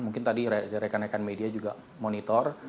mungkin tadi rekan rekan media juga monitor